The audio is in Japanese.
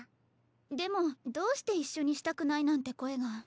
でもどうして一緒にしたくないなんて声が。